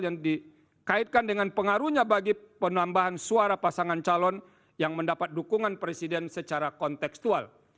yang dikaitkan dengan pengaruhnya bagi penambahan suara pasangan calon yang mendapat dukungan presiden secara konteksual